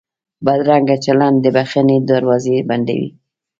بدرنګه چلند د بښنې دروازې بندوي